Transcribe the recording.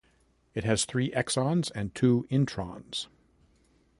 It has three exons and two introns.